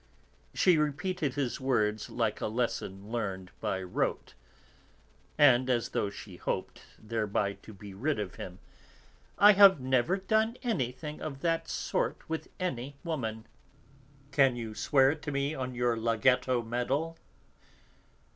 '" She repeated his words like a lesson learned by rote, and as though she hoped, thereby, to be rid of him: "I have never done anything of that sort with any woman." "Can you swear it to me on your Laghetto medal?"